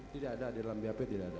tidak ada di dalam bap tidak ada